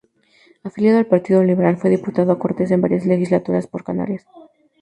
Afiliado al Partido Liberal, fue diputado a Cortes en varias legislaturas por Canarias.